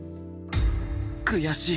悔しい！